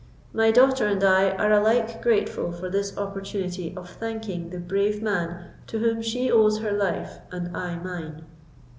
My daughter and I are alike grateful for this opportunity of thanking the brave man to whom she owes her life and I mine."